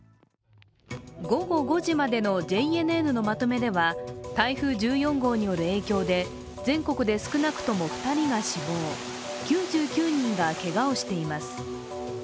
午後５時までのＪＮＮのまとめでは、台風１４号による影響で全国で少なくとも２人が死亡９９人がけがをしています。